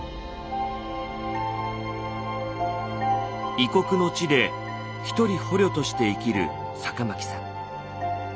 異国の地で一人捕虜として生きる酒巻さん。